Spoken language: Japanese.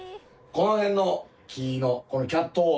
この辺の木の。